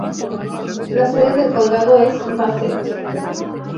La sede del condado es Bassett.